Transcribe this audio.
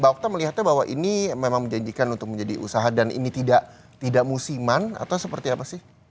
mbak okta melihatnya bahwa ini memang menjanjikan untuk menjadi usaha dan ini tidak musiman atau seperti apa sih